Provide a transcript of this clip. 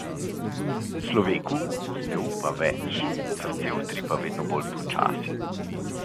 Človeku, ki ne upa več, srce utripa vedno bolj počasi.